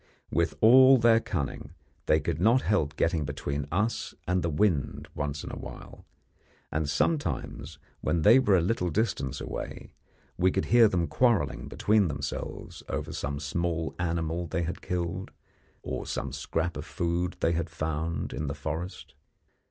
With all their cunning, they could not help getting between us and the wind once in a while, and sometimes, when they were a little distance away, we could hear them quarrelling between themselves over some small animal they had killed, or some scrap of food that they had found in the forest.